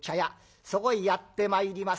そこにやってまいります。